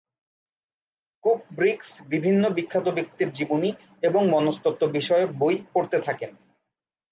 Cook Briggs বিভিন্ন বিখ্যাত ব্যক্তির জীবনী এবং মনস্তত্ত্ব বিষয়ক বই পড়তে থাকেন।